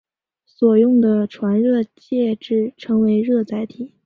所用的传热介质称为热载体。